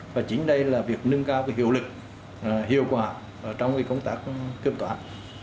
và chính đây là việc nâng cao hiệu lực hiệu quả trong công tác kiểm toán